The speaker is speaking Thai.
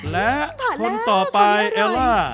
และคนต่อไปเอลล่า